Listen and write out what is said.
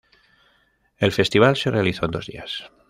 El festival se realizó en dos días.